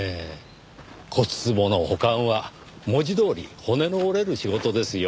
骨壺の保管は文字どおり骨の折れる仕事ですよ。